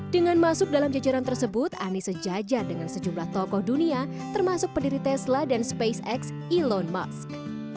dengan masuk dalam jajaran tersebut anies sejajar dengan sejumlah tokoh dunia termasuk pendiri tesla dan spacex elon musk